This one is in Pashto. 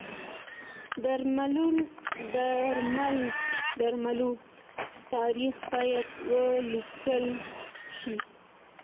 د درملو تاریخ باید وکتل شي.